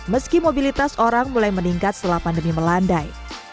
meski mobilitas orang mulai meningkat setelah pandemi melandai